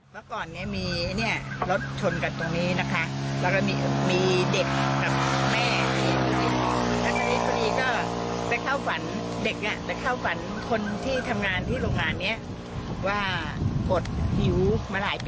เมื่อก่อนเนี่ยมีเนี่ยรถชนกันตรงนี้นะคะ